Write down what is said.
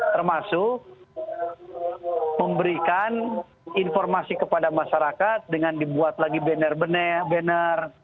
termasuk memberikan informasi kepada masyarakat dengan dibuat lagi banner banner